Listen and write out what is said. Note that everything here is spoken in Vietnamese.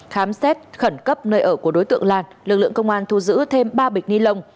khám xét khẩn cấp nơi ở của đối tượng lan lực lượng công an thu giữ thêm ba bịch ni lông